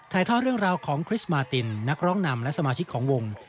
ท่อเรื่องราวของคริสต์มาตินนักร้องนำและสมาชิกของวง